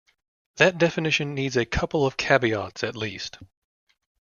That definition needs a couple of caveats, at least.